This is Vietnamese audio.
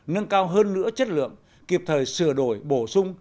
nâng cao hơn nữa chất lượng kịp thời sửa đổi bổ sung